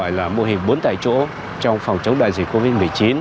gọi là mô hình bốn tại chỗ trong phòng chống đại dịch covid một mươi chín